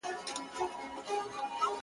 کشپ ګوری چي اسمان ته پورته کیږي -